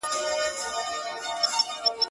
دا دی د مرګ، و دایمي محبس ته ودرېدم ~